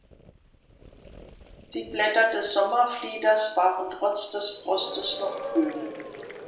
Die Blätter des Sommerflieders waren trotz des Frostes noch grün.